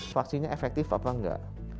vaksinnya efektif apa enggak